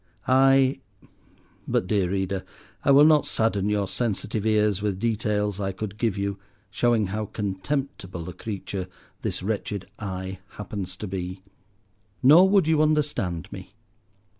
I—but, dear reader, I will not sadden your sensitive ears with details I could give you, showing how contemptible a creature this wretched I happens to be. Nor would you understand me.